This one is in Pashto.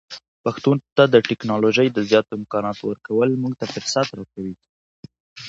پښتو ته د ټکنالوژۍ د زیاتو امکاناتو ورکول موږ ته فرصت ورکوي.